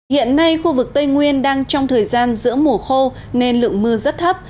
hiện nay khu vực tây nguyên đang trong thời gian giữa mùa khô nên lượng mưa rất thấp